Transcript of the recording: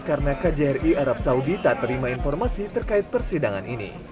karena kjri arab saudi tak terima informasi terkait persidangan ini